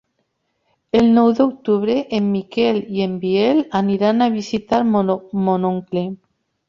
El nou d'octubre en Miquel i en Biel aniran a visitar mon oncle.